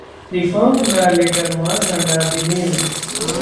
These firms were later merged under the name.